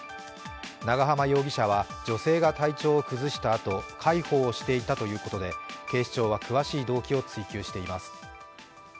長浜容疑者は女性が体調を崩したあと介抱をしていたということで、警視庁は詳しい動機を追及しています。